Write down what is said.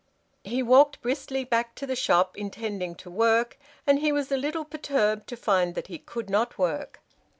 He walked briskly back to the shop, intending to work, and he was a little perturbed to find that he could not work.